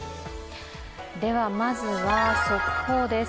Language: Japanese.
では、まずは速報です。